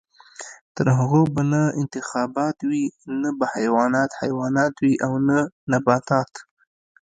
تر هغو به نه انتخابات وي، نه به حیوانات حیوانات وي او نه نباتات.